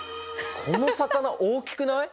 この魚大きくない？